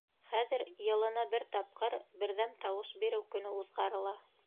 — Хәҙер йылына бер тапҡыр Берҙәм тауыш биреү көнө уҙғарыла.